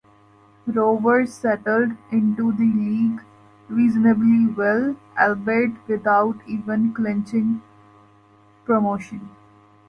Rovers settled into the League reasonably well, albeit without ever clinching promotion.